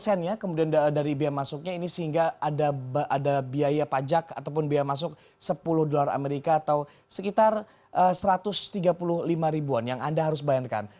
dan kemudian dari bea masuknya ini sehingga ada biaya pajak ataupun bea masuk sepuluh dolar amerika atau sekitar satu ratus tiga puluh lima ribuan yang anda harus bayarkan